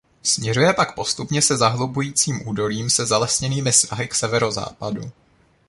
Směřuje pak postupně se zahlubujícím údolím se zalesněnými svahy k severozápadu.